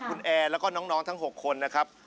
คุณแอร์แล้วก็น้องทั้ง๖คนนะครับ